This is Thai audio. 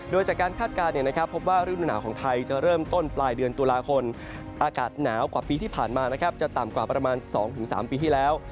โดยจากการคาดการณ์พบว่าฤดูหนาวของไทยจะเริ่มต้นปลายเดือนตุลาคมอากาศหนาวกว่าปีที่ผ่านมาจะต่ำกว่าประมาณ๒๓ปีที่แล้ว